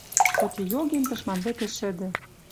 Хоть и йоген тышман вӹкӹ шӹдӹ